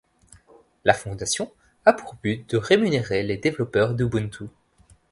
La fondation a pour but de rémunérer les développeurs d'Ubuntu.